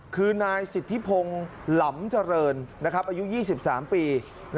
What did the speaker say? คือนายสิทธิพงศ์หลำเจริญอายุ๒๓ปี